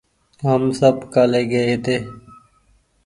هم سب ڪآلي گئي هيتي